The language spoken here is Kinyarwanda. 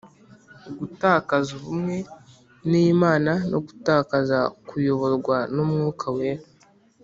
Gutakaza ubumwe n'Imana no gutakaza kuyoborwa n'Umwuka Wera